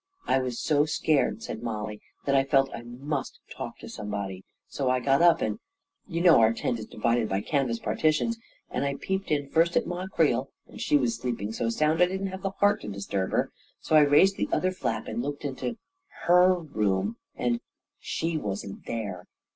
" I was so scared," said Mollie, " that I felt I must talk to somebody, so I got up and ... you know our tent is divided by canvas partitions — and I peeped in first at Ma Creel, and she was sleeping so sound I didn't have the heart to disturb her ; so — I raised the other flap and looked into — her room — and — she wasn't there